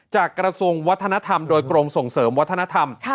กระทรวงวัฒนธรรมโดยกรมส่งเสริมวัฒนธรรม